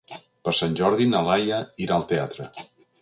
Per Sant Jordi na Laia irà al teatre.